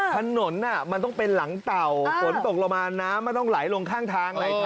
ถนนมันต้องเป็นหลังเต่าฝนตกลงมาน้ำมันต้องไหลลงข้างทางอะไร